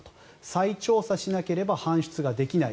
再調査しなければ搬出ができない。